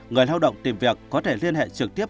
người lao động tìm việc có thể liên hệ trực tiếp